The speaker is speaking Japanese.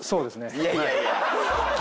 いやいやいや。